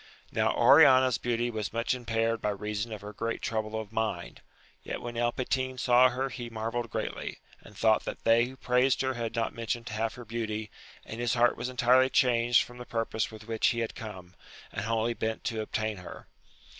Now Oriana's beauty was much impaired by reason of her great trouble of mind, yet when El Patin saw her he marvelled greatly, and thought that they who praised her had not mentioned half her beauty, and his heart was entirely changed from the purpose with which he had come, and wholly bent to obtain her.